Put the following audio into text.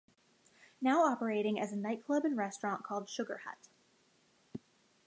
Now operating as a nightclub and restaurant called Sugar Hut.